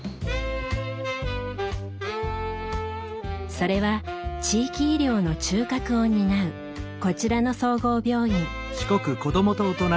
それは地域医療の中核を担うこちらの総合病院。